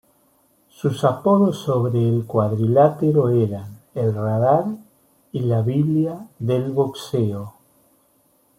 Sus apodos sobre el cuadrilátero eran "El Radar" y "La Biblia del Boxeo".